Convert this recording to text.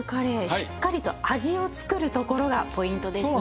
しっかりと味を作るところがポイントですね。